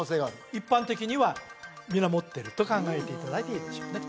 一般的には皆持っていると考えていただいていいでしょうね